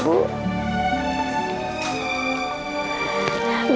bu rena jangan sedih lagi ya bu